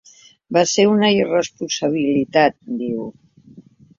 Va ser una irresponsabilitat, diu.